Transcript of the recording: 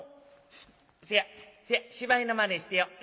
せやせや芝居のまねしてよう。